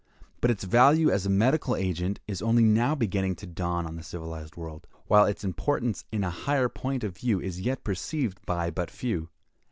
But its value as a medical agent is only now beginning to dawn on the civilized world, while its importance in a higher point of view is yet perceived by but few.